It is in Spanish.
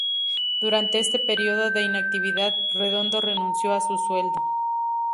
Durante este período de inactividad, Redondo renunció a su sueldo.